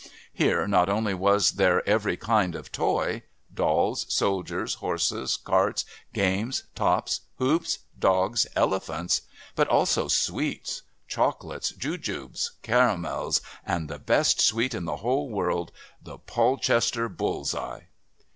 Here not only was there every kind of toy dolls, soldiers, horses, carts, games, tops, hoops, dogs, elephants but also sweets chocolates, jujubes, caramels, and the best sweet in the whole world, the Polchester Bull's eye.